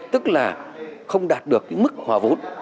tức là không đạt được mức hòa vốn